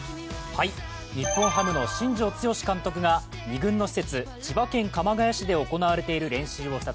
日本ハムの新庄剛志監督が２軍の施設、千葉県・鎌ケ谷市で行われている練習を視察。